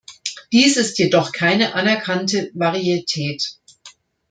Dies ist jedoch keine anerkannte Varietät.